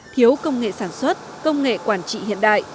thiếu công nghệ sản xuất công nghệ quản trị hiện đại